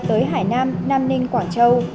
tới hải nam nam ninh quảng châu